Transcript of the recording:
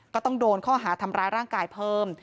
ก็ต้องโดนข้อหาทำร้ายร่างกายเพิ่ม